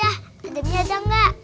ada minyak minyak gak